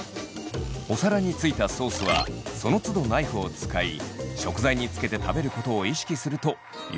お皿についたソースはそのつどナイフを使い食材につけて食べることを意識するとよりキレイに！